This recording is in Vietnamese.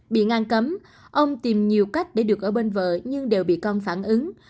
bị ngăn cấm ông tìm nhiều cách để được ở bên vợ nhưng đều bị con phản ứng